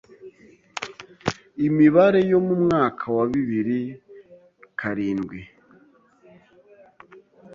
Imibare yo mu mwaka wa bibiri karindwi